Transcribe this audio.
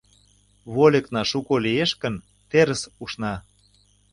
Вольыкна шуко лиеш гын, терыс ушна.